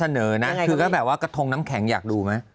อันนี้เป็นน้ำแข็งนะ